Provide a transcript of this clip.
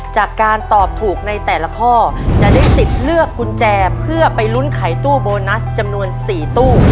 จากการตอบถูกในแต่ละข้อจะได้สิทธิ์เลือกกุญแจเพื่อไปลุ้นไขตู้โบนัสจำนวน๔ตู้